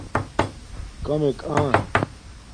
کمک آن